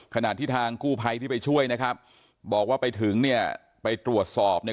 ขณะที่ทางกู้ภัยที่ไปช่วยนะครับบอกว่าไปถึงเนี่ยไปตรวจสอบเนี่ย